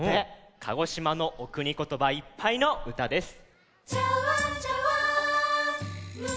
鹿児島のおくにことばいっぱいのうたです。